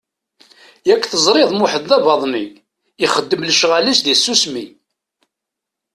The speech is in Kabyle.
Yak teẓriḍ Muḥend d abaḍni, ixeddem lecɣal-is di tsusmi!